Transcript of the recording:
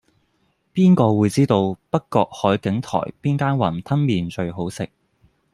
邊個會知道北角海景台邊間雲吞麵最好食